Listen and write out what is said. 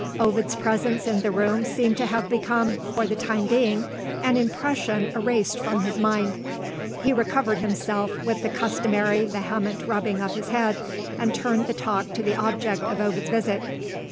Ovid's presence in the room seemed to have become, for the time being, an impression erased from his mind. He recovered himself, with the customary vehement rubbing of his head, and turned the talk to the object of Ovid's visit.